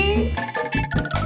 sampai jumpa lagi